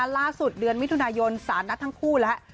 เดือนมิถุนายนสารนัดทั้งคู่แล้ว